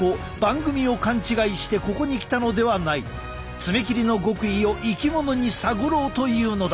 爪切りの極意を生き物に探ろうというのだ。